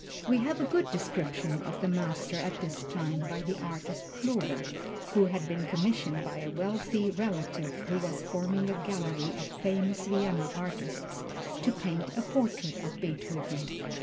We have a good description of the master at this time by the artist Klober, who had been commissioned by a wealthy relative who was forming a gallery of famous Vienna artists, to paint a portrait of Beethoven.